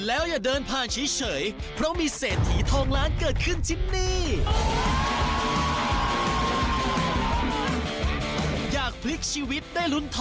เบาแดงช่วยคนไทยสร้างอาชีพปี๒